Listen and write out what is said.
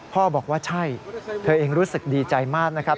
พ่อบอกว่าใช่เธอเองรู้สึกดีใจมากนะครับ